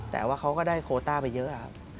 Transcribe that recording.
แต่ว่าเขาก็ได้โคต้าไปเยอะครับ